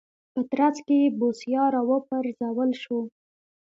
په ترڅ کې یې بوسیا راوپرځول شو.